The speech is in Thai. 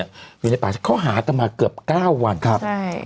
อยู่ในภาษาเขาหาต่อมาเกือบ๙วันครับ